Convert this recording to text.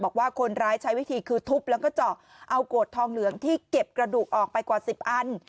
บอกว่าคนร้ายใช้วิธีคือทุบแล้วก็เจาะเอาโกรธทองเหลืองที่เก็บกระดูกออกไปกว่า๑๐อัน